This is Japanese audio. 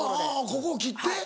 ここを切って。